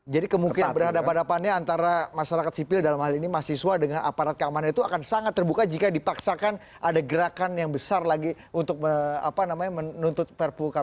jadi kemungkinan berhadapan hadapan antara masyarakat sipil dalam hal ini mahasiswa dengan aparat keamanan itu akan sangat terbuka jika dipaksakan ada gerakan yang besar lagi untuk menuntut perpu kpk